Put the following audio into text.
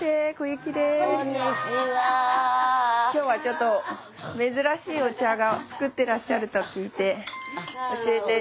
今日はちょっと珍しいお茶がつくってらっしゃると聞いて教えていただきたくて来たんですけど。